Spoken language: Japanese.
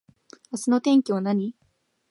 明日の天気は何